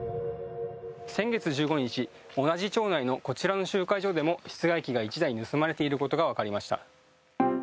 先月１５日、同じ町内のこちらの集会所でも室外機が１台盗まれていることがわかりました。